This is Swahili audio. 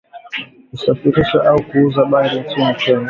kusafirisha au kuuza bangi nchini Kenya